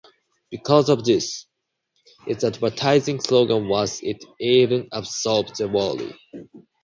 Because of this, its advertising slogan was It even absorbs the worry!